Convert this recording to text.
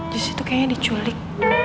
jessy tuh kayaknya diculik